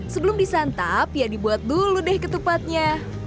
sebelum disantap ya dibuat dulu deh ketupatnya